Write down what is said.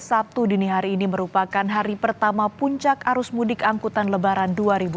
sabtu dini hari ini merupakan hari pertama puncak arus mudik angkutan lebaran dua ribu dua puluh